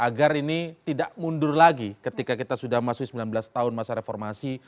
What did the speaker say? agar ini tidak mundur lagi ketika kita sudah masuk sembilan belas tahun masa reformasi